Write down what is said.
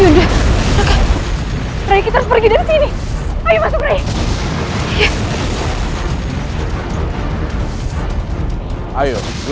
dan yang lainnya akan nyusul